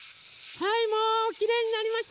はいもうきれいになりましたか？